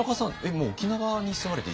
もう沖縄に住まれて１１年？